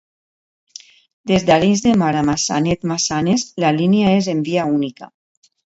Des d'Arenys de Mar a Maçanet-Massanes la línia és en via única.